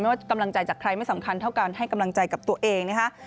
ว่ากำลังใจจากใครไม่สำคัญเท่าการให้กำลังใจกับตัวเองนะคะ